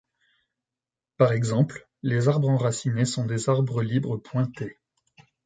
Par exemple, les arbres enracinés sont des arbres libres pointés.